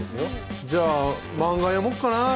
じゃあ、漫画読もうかな。